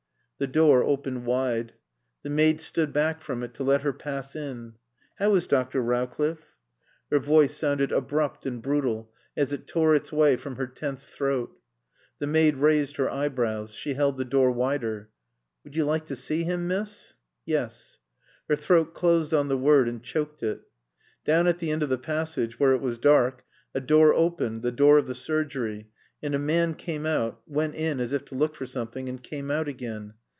The door opened wide. The maid stood back from it to let her pass in. "How is Dr. Rowcliffe?" Her voice sounded abrupt and brutal, as it tore its way from her tense throat. The maid raised her eyebrows. She held the door wider. "Would you like to see him, miss?" "Yes." Her throat closed on the word and choked it. Down at the end of the passage, where it was dark, a door opened, the door of the surgery, and a man came out, went in as if to look for something, and came out again.